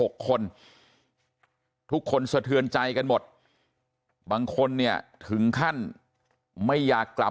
ทุกคนทุกคนสะเทือนใจกันหมดบางคนเนี่ยถึงขั้นไม่อยากกลับ